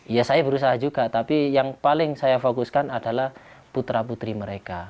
ya saya berusaha juga tapi yang paling saya fokuskan adalah putra putri mereka